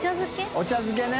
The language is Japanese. お茶漬けね。